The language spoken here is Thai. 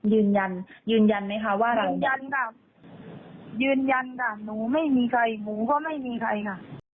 ยืนยันยืนยันไหมคะว่ายืนยันค่ะยืนยันค่ะหนูไม่มีใครหนูก็ไม่มีใครค่ะ